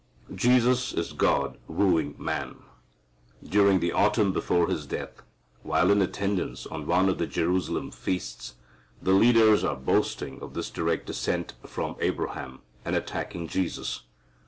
Jesus is God Wooing Man. During the autumn before His death, while in attendance on one of the Jerusalem feasts, the leaders are boasting of their direct descent from Abraham, and attacking Jesus.